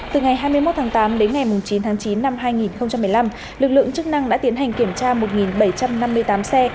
từ ngày hai mươi một tháng tám đến ngày chín tháng chín năm hai nghìn một mươi năm lực lượng chức năng đã tiến hành kiểm tra một bảy trăm năm mươi tám xe